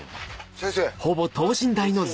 先生。